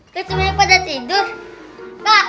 kecuali pada tidur